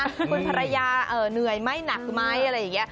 คุณภรรยาเหนื่อยไหมหนักไหมอะไรอย่างนี้